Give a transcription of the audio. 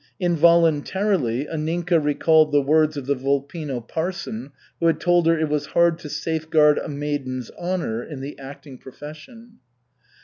Involuntarily Anninka recalled the words of the Volpino parson, who had told her it was hard to safeguard a maiden's "honor" in the acting profession.